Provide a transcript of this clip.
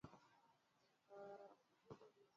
Watu wote walikuwa wamemakinika